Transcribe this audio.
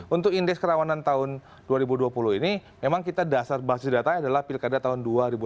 untuk indeks kerawanan tahun dua ribu dua puluh ini memang kita dasar basis datanya adalah pilkada tahun dua ribu delapan belas